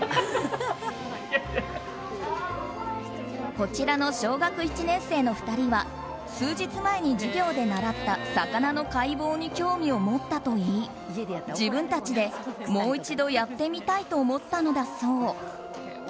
こちらの小学１年生の２人は数日前に授業で習った魚の解剖に興味を持ったといい自分たちでもう一度やってみたいと思ったのだそう。